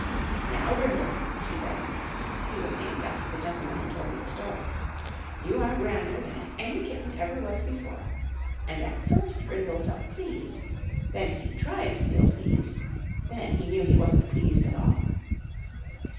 "'Now, Brindle,' she said (he was named after the gentleman who told me the story), 'you are grander than any kitten ever was before.' And at first Brindle felt pleased then he tried to feel pleased then he knew he wasn't pleased at all.